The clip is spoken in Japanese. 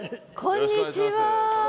こんにちは。